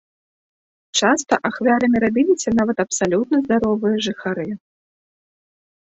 Часта ахвярамі рабіліся нават абсалютна здаровыя жыхары.